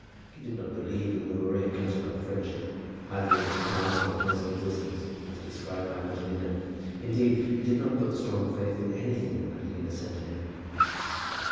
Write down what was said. He did not believe in the Maria Clutterbuck friendship, either in its past or present existence, as described by Madalina. Indeed, he did not put strong faith in anything that Madalina said to him.